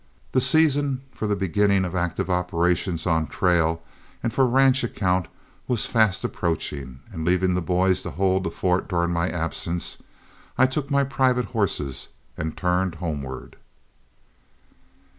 The season for the beginning of active operations on trail and for ranch account was fast approaching, and, leaving the boys to hold the fort during my absence, I took my private horses and turned homeward.